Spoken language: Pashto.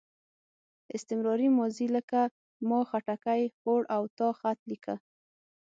استمراري ماضي لکه ما خټکی خوړ او تا خط لیکه.